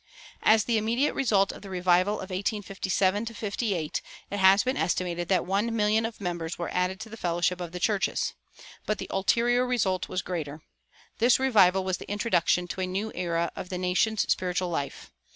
As the immediate result of the revival of 1857 58 it has been estimated that one million of members were added to the fellowship of the churches. But the ulterior result was greater. This revival was the introduction to a new era of the nation's spiritual life.